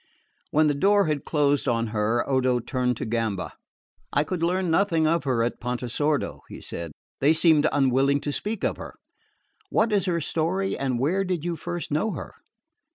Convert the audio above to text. When the door had closed on her Odo turned to Gamba. "I could learn nothing at Pontesordo," he said. "They seemed unwilling to speak of her. What is her story and where did you first know her?"